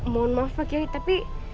mohon maaf pak kiai tapi